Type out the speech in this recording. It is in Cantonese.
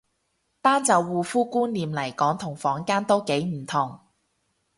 單就護膚觀念嚟講同坊間都幾唔同